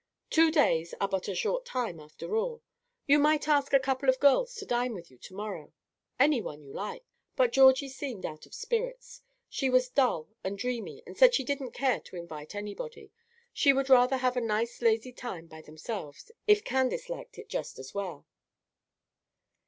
Two days are but a short time, after all. You might ask a couple of girls to dine with you to morrow, any one you like." But Georgie seemed out of spirits. She was dull and dreamy, and said she didn't care to invite anybody, she would rather have a nice lazy time by themselves, if Candace liked it just as well.